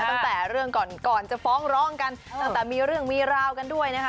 ตั้งแต่เรื่องก่อนก่อนจะฟ้องร้องกันตั้งแต่มีเรื่องมีราวกันด้วยนะคะ